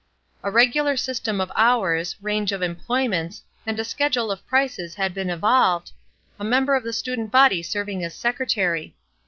A regular system of hours, range of employments, and a schedule of prices had been evolved, a member of the student body serving as secretary.